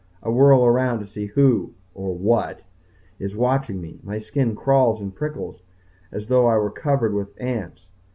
I whirl around to see who, or what, is watching me. My skin crawls and prickles as though I were covered with ants.